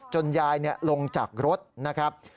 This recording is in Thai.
ยายลงจากรถนะครับ